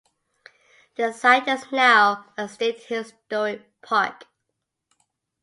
The site is now a state historic park.